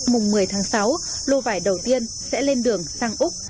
mùng một mươi tháng sáu lô vải đầu tiên sẽ lên đường sang úc